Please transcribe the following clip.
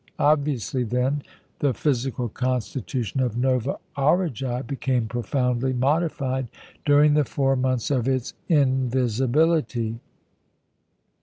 Obviously, then, the physical constitution of Nova Aurigæ became profoundly modified during the four months of its invisibility.